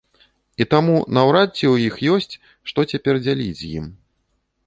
І таму, наўрад ці у іх ёсць, што цяпер дзяліць з ім.